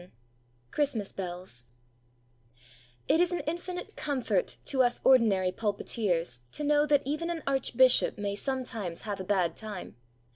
VII CHRISTMAS BELLS It is an infinite comfort to us ordinary pulpiteers to know that even an Archbishop may sometimes have a bad time!